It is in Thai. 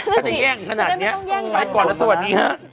ก็จะแย่งขนาดนี้